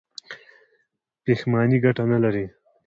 پښیماني ګټه نلري.